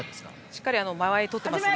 しっかり間合いをとっています。